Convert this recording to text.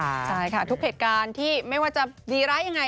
ใช่ค่ะทุกเหตุการณ์ที่ไม่ว่าจะดีร้ายยังไง